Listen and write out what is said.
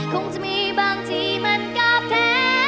คงจะมีบางทีมันก็แท้